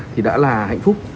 thì đã là hạnh phúc